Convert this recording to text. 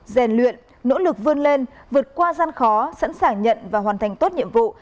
rèn luyện nỗ lực vươn lên vượt qua gian khó sẵn sàng nhận và hoàn thành tốt nhiệm vụ